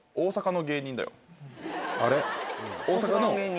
あれ？